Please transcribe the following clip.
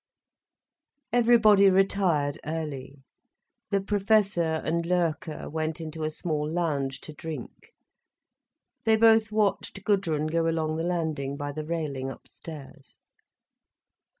Everybody retired early. The Professor and Loerke went into a small lounge to drink. They both watched Gudrun go along the landing by the railing upstairs.